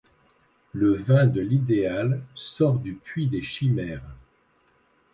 Le vin de l’idéal sort du puits des chimères.